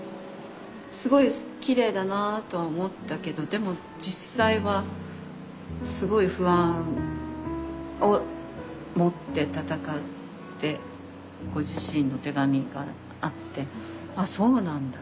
すごいきれいだなとは思ったけどでも実際はすごい不安を持って闘ってご自身の手紙があってあっそうなんだっていうか。